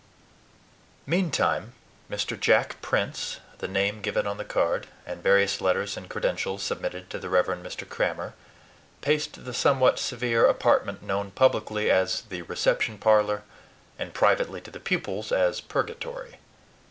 Meantime Mr. Jack Prince, the name given on the card, and various letters and credentials submitted to the Rev. Mr. Crammer, paced the somewhat severe apartment known publicly as the "reception parlor" and privately to the pupils as "purgatory."